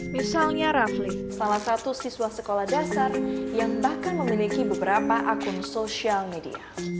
misalnya rafli salah satu siswa sekolah dasar yang bahkan memiliki beberapa akun sosial media